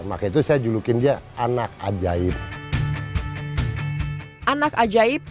makanya itu saya julukin dia anak ajaib